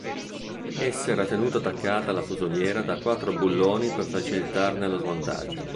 Essa era tenuta attaccata alla fusoliera da quattro bulloni per facilitarne lo smontaggio.